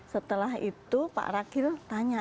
setelah itu pak rakil tanya